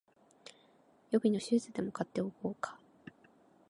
予備のシューズでも買っておこうか